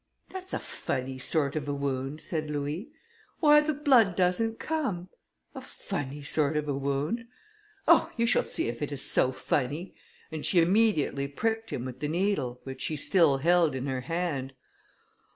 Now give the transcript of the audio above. "That's a funny sort of a wound!" said Louis, "Why the blood doesn't come!" "A funny sort of a wound? Oh! you shall see if it is so funny," and she immediately pricked him with the needle, which she still held in her hand.